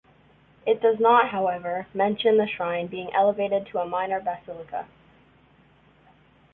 It does not however, mention the shrine being elevated to a minor basilica.